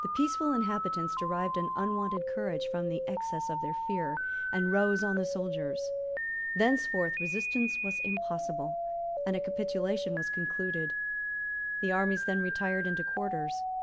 The peaceful inhabitants derived an unwonted courage from the excess of their fear, and rose on the soldiers. Thenceforth resistance was impossible; and a capitulation was concluded. The armies then retired into quarters.